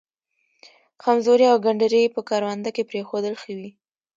خمزوري او گنډري په کرونده کې پرېښودل ښه وي.